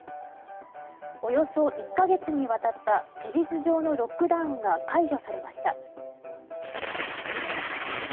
およそ１か月にわたった事実上のロックダウンは解除されました。